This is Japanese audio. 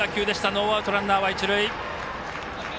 ノーアウト、ランナーは一塁。